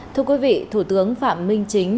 thưa quý vị thủ tướng phạm minh chính